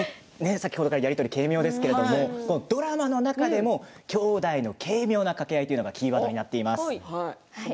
先ほど食べるっていうやり取りが軽妙ですけれどドラマの中でも「姉弟の軽妙な掛け合い」がキーワードになっています。